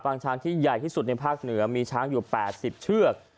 ช้างที่ใหญ่ที่สุดในภาคเหนือมีช้างอยู่๘๐เชือก